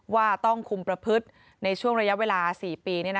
ว่าต้องคุมประพฤติในช่วงระยะเวลา๔ปี